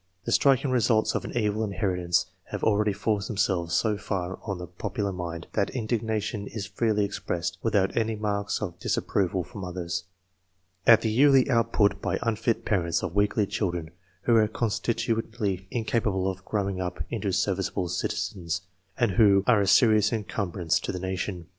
The striking results of an evil inheritance have already forced themselves so far on the popular mind, that indignation is freely expressed, without any marks of disapproval from others, at the yearly output by unfit parents of weakly children who are con stitutionally incapable of growing up into serviceable citizens, and who are a serious encumbrance to the nation.